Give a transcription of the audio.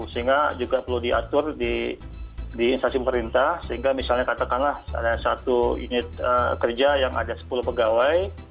sehingga juga perlu diatur di instansi pemerintah sehingga misalnya katakanlah ada satu unit kerja yang ada sepuluh pegawai